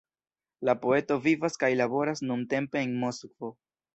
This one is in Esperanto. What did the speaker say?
La poeto vivas kaj laboras nuntempe en Moskvo.